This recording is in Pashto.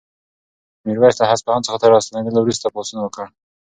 میرویس له اصفهان څخه تر راستنېدلو وروسته پاڅون وکړ.